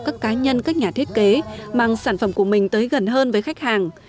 các cá nhân các nhà thiết kế mang sản phẩm của mình tới gần hơn với khách hàng